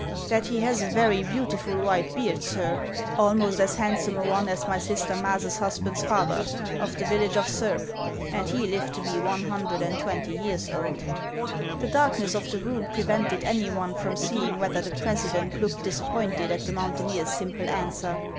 "That he has a very beautiful white beard, sir; almost as handsome a one as my sister Maase's husband's father, of the village of Surb ; and he lived to be one hundred and twenty years old." The darkness of the room prevented any one from seeing whether the president looked disappointed at the moun taineer's simple answer.